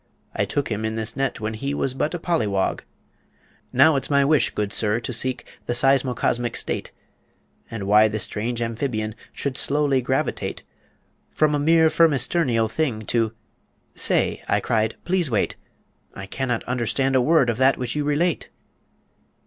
I took him in this net, when he Was but a pollywog. "'Now it's my wish, good sir, to seek The seismocosmic state; And why this strange amphibian Should slowly gravitate "'From a mere firmisternial thing To ' 'Say!' I cried, 'please wait! I can not understand a word Of that which you relate.'